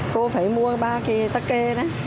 cô phải mua ba cái tắc kê